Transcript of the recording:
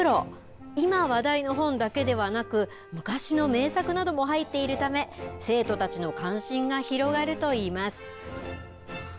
今、話題の本だけではなく昔の名作なども入っているため生徒たちの関心が広がると言います。